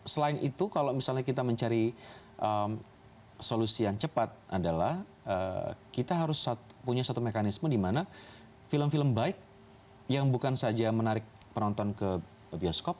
selain itu kalau misalnya kita mencari solusi yang cepat adalah kita harus punya satu mekanisme di mana film film baik yang bukan saja menarik penonton ke bioskop